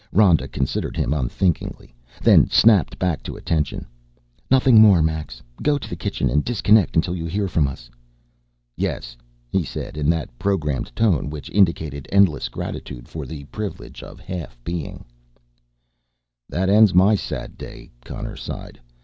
Rhoda considered him unthinkingly, then snapped back to attention. "Nothing more, Max, go to the kitchen and disconnect until you hear from us." "Yes," he said in that programmed tone which indicated endless gratitude for the privilege of half being. "That ends my sad day," Connor sighed.